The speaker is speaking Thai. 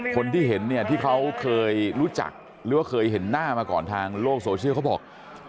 คนที่เห็นเนี่ยที่เขาเคยรู้จักหรือว่าเคยเห็นหน้ามาก่อนทางโลกโซเชียลเขาบอก